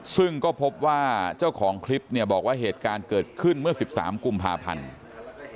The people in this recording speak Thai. ซึ่งก็พบว่าเจ้าของคลิปเนี่ยบอกว่าเหตุการณ์เกิดขึ้นเมื่อ๑๓กุมภาพันธ์